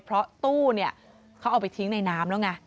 เพราะตู้เนี่ยเขาเอาไปทิ้งในน้ำแล้วไง